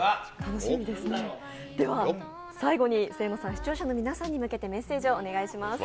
では最後に清野さん、視聴者の皆さんに向けてメッセージをお願いします。